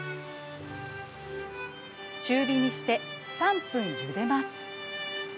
中火にして３分ゆでます。